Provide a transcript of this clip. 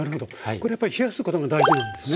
これやっぱり冷やすことが大事なんですね？